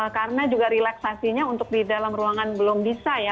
karena juga relaksasinya untuk di dalam ruangan belum bisa ya